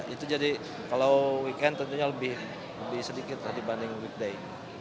itu jadi kalau weekend tentunya lebih sedikit dibanding weekday